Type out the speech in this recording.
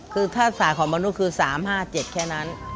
คือถ้าสายของมนุษย์คือ๓๕๗แค่นั้น